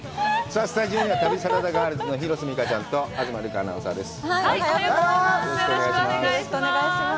さあ、スタジオには、旅サラダガールズの広瀬未花ちゃんと東留伽アナウンサーです。